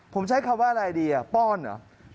ผมใช้คำว่าอะไรดีอ่ะป้อนเหรอ